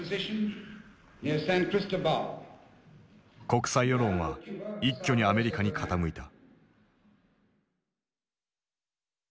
国際世論は一挙にアメリカに傾いた。